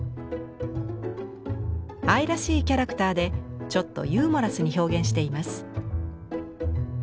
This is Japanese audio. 愛らしいキャラクターでちょっとユーモラスに表現しています。